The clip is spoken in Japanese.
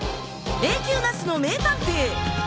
迷宮なしの名探偵。